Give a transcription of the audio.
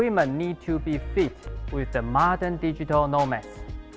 yang perlu dipakai dengan digital nomad modern